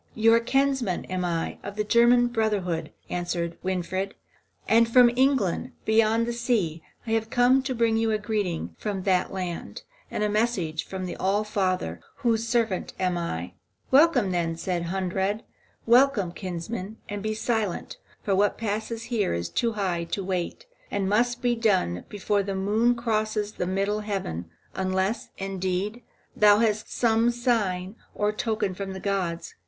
"You kinsman am I, of the German brotherhood," answered Winfried, "and from England, beyond the sea, have I come to bring you a greeting from that land, and a message from the All Father, whose servant I am." "Welcome, then," said Hunrad, "welcome, kinsman, and be silent; for what passes here is too high to wait, and must be done before the moon crosses the middle heaven, unless, indeed, thou hast some sign or token from the gods.